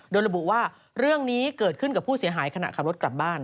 โดยระบุว่าเรื่องนี้เกิดขึ้นกับผู้เสียหายขณะขับรถกลับบ้าน